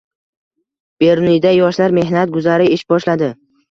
Beruniyda Yoshlar mehnat guzari ish boshladi